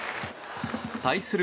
対する